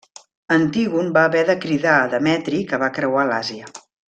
Antígon va haver de cridar a Demetri, que va creuar l'Àsia.